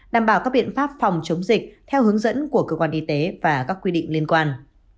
đảm bảo các biện pháp phòng chống dịch theo hướng dẫn của cơ quan y tế và các quy định liên quan